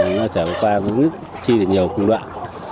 nó sẽ qua cũng chi được nhiều công đoạn